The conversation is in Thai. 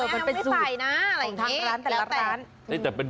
มันไม่ใส่นะอย่างนี้ทั้งร้านแต่ร้าน